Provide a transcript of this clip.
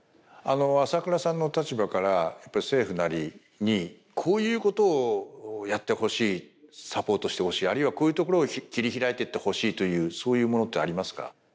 朝倉さんの立場からやっぱり政府なりにこういうことをやってほしいサポートしてほしいあるいはこういうところを切り開いていってほしいというそういうものってありますか？